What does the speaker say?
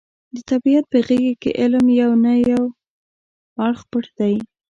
د طبیعت په غېږه کې علم یو نه یو اړخ پټ دی.